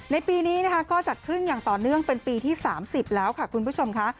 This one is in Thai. ในปีนี้นะคะก็จัดขึ้นอย่างต่อเนื่องเป็นปีที่๓๐แล้วค่ะคุณผู้ชมค่ะ